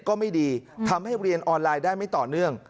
ก็ไม่ดีทำให้เรียนออนไลน์ได้ไม่ต่อเนื่อง